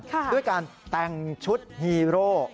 ด้วยการแต่งชุดฮีโร่